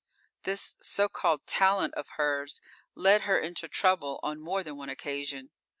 This so called talent of hers led her into trouble on more than one occasion.